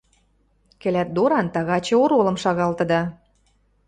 Кӹлӓт доран тагачы оролым шагалтыда...